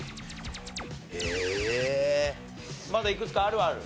まだいくつかあるはある？